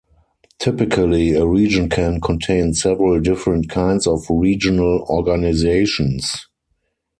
Typically a region can contain several different kinds of regional organizations.